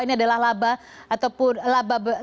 ini adalah laba atau pun laba beras